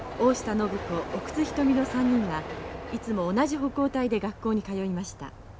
奥津牟の３人はいつも同じ歩行隊で学校に通いました。